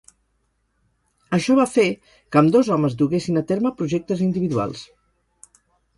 Això va fer que ambdós homes duguessin a terme projectes individuals.